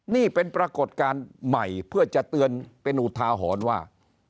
นี่เป็นปรากฏการณ์ใหม่เพื่อจะเตือนเป็นอุทาหรณ์ว่า